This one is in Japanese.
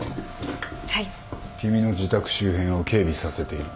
君の自宅周辺を警備させている。